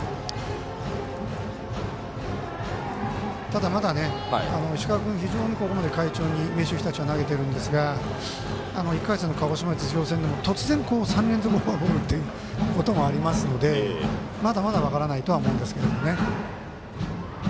ただ、まだ石川君ここまで非常に快調に明秀日立は投げてるんですが１回戦の鹿児島実業戦でも突然３連続ホームランということもありますのでまだまだ分からないとは思うんですけどね。